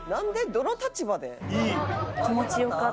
どの立場で？」